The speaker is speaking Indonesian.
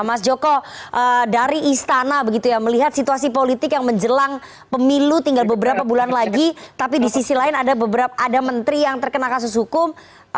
mas joko dari istana begitu ya melihat situasi politik yang menjelang pemilu tinggal beberapa bulan lagi tapi di sisi lain ada beberapa ada menteri yang terkena kasus hukum